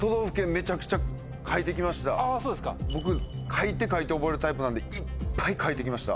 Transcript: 僕書いて書いて覚えるタイプなんでいっぱい書いて来ました